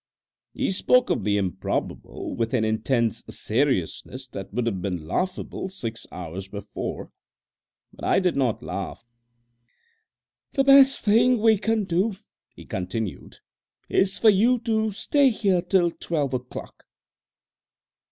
He spoke of the improbable with an intense seriousness that would have been laughable six hours before. But I did not laugh. "The best thing we can do," he continued, "is for you to stay here till twelve o'clock.